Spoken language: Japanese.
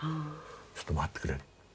ちょっと待ってくれ。